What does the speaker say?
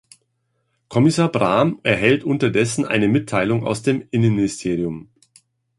Kommissar Brahm erhält unterdessen eine Mitteilung aus dem Innenministerium.